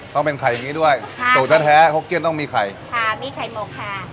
ต้องเป็นไข่อย่างงี้ด้วยค่ะสูตรแท้แท้หกเกี้ยนต้องมีไข่ค่ะมีไข่หมกค่ะ